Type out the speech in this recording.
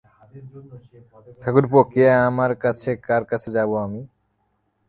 ঠাকুরপো, কে আমার আছে, কার কাছে যাব আমি।